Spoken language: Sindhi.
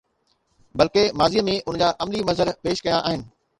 بلڪه ماضيءَ ۾ ان جا عملي مظهر پيش ڪيا آهن.